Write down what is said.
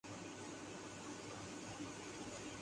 Tamil